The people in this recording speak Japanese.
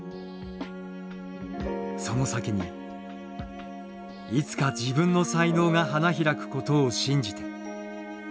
その先にいつか自分の才能が花開くことを信じて。